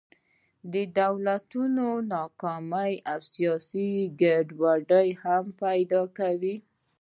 د دولتونو ناکامي او سیاسي ګډوډۍ هم پیدا کوي.